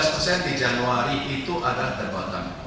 dua belas persen di januari itu adalah the bottom